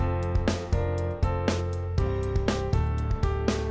aduh aduh aduh aduh aduh